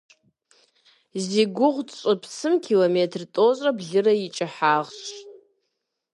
Зи гугъу тщӏы псым километр тӏощӏрэ блырэ и кӀыхьагъщ.